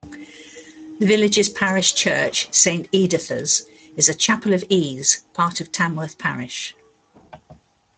The village's Parish Church, Saint Editha's, is a chapel-of-ease, part of Tamworth Parish.